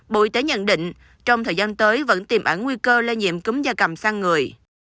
bộ y tế nhận định trong thời gian tới vẫn tìm ảnh nguy cơ le nhiệm cúng da cầm sang người